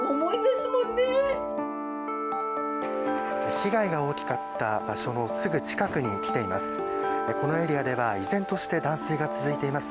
被害が大きかった場所のすぐ近くに来ています。